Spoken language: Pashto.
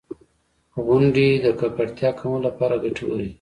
• غونډۍ د ککړتیا کمولو لپاره ګټورې دي.